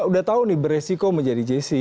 udah tahu nih beresiko menjadi jessi